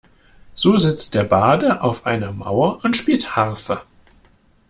So sitzt der Barde auf einer Mauer und spielt Harfe.